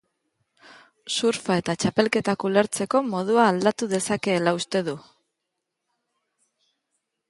Surfa eta txapelketak ulertzeko modua aldatu dezakeela uste du.